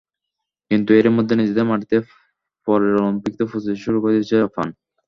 কিন্তু এরই মধ্যে নিজেদের মাটিতে পরের অলিম্পিকের প্রস্তুতি শুরু করে দিয়েছে জাপান।